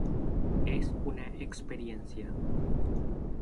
Es una experiencia.